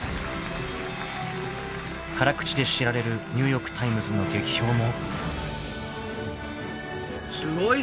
［辛口で知られる『ニューヨークタイムズ』の劇評も］